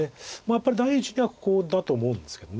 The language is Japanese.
やっぱり第一にはここだと思うんですけど。